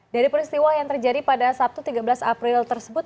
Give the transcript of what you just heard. dari peristiwa yang terjadi pada sabtu tiga belas april tersebut